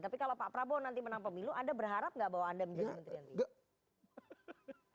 tapi kalau pak prabowo nanti menang pemilu anda berharap nggak bahwa anda menjadi menteri yang tinggi